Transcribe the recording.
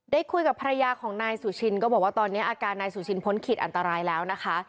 ได้คุยกับภรรยาของนายสุชินก็บอกว่าตอนนี้อาการนายสุชินพ้นขีดอันตรายแล้วนะคะ